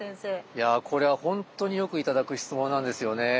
いやこれは本当によく頂く質問なんですよね。